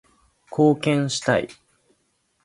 貢献したい